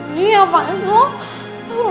ini apanya selalu